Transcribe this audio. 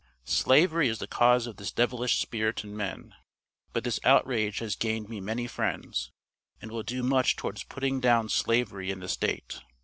"Slavery is the cause of this devilish spirit in men; but this outrage has gained me many friends, and will do much towards putting down Slavery in the state.